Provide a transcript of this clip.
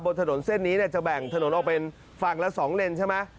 บนถนนเส้นนี้จะแบ่งถนนออกเป็นฝั่งละ๒เลนใช่ไหม